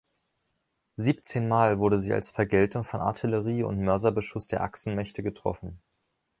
Siebzehn Mal wurde sie als Vergeltung von Artillerie und Mörserbeschuss der Achsenmächte getroffen.